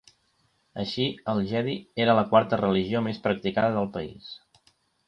Així, el "jedi" era la quarta religió més practicada del país.